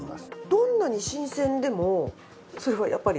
どんなに新鮮でもそれはやっぱり危険なんですか？